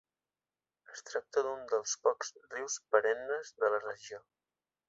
Es tracta d’un dels pocs rius perennes de la regió.